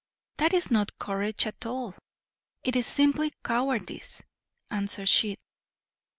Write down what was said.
"That is not courage at all, it is simply cowardice," answered she.